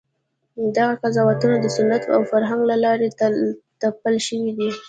دغه قضاوتونه د سنت او فرهنګ له لارې تپل شوي دي.